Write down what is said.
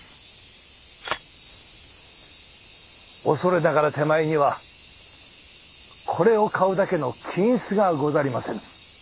おそれながら手前にはこれを買うだけの金子がござりませぬ。